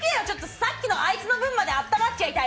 さっきのあいつの分まであったまっちゃいたい。